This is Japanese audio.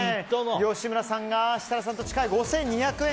吉村さんが設楽さんと近い５２００円。